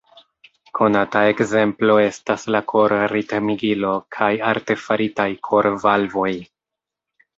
Konata ekzemplo estas la kor-ritmigilo kaj artefaritaj kor-valvoj.